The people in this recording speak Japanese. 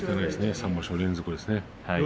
３場所連続ですね。